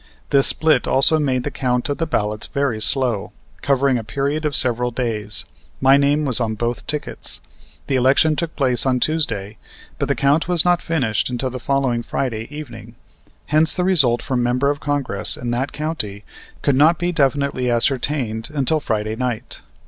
This split also made the count of the ballots very slow, covering a period of several days. My name was on both tickets. The election took place on Tuesday, but the count was not finished until the following Friday evening. Hence, the result for member of Congress in that county could not be definitely ascertained until Friday night.